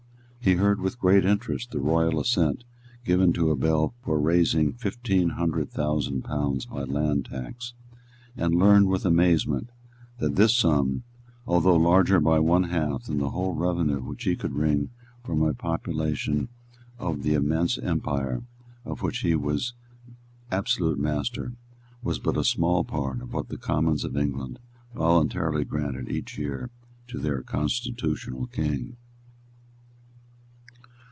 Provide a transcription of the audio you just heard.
He heard with great interest the royal assent given to a bill for raising fifteen hundred thousand pounds by land tax, and learned with amazement that this sum, though larger by one half than the whole revenue which he could wring from the population of the immense empire of which he was absolute master, was but a small part of what the Commons of England voluntarily granted every year to their constitutional King.